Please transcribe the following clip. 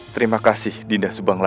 terima kasih dinda subang lara